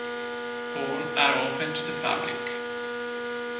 All are open to the public.